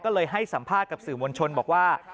ก็เลยให้สัมภาษณ์กับสื่อมวลชนบอกว่า